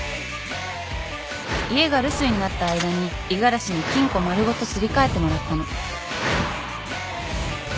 家が留守になった間に五十嵐に金庫丸ごとすり替えてもらったの。